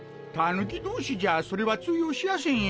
狸同士じゃそれは通用しやせんよ。